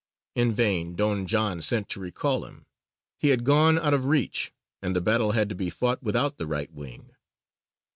In vain Don John sent to recall him; he had gone out of reach, and the battle had to be fought without the right wing.